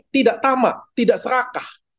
tidak tama tidak serakah